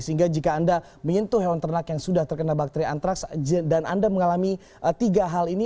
sehingga jika anda menyentuh hewan ternak yang sudah terkena bakteri antraks dan anda mengalami tiga hal ini